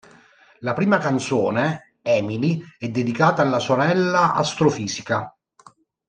La prima canzone, "Emily", è dedicata alla sorella astrofisica.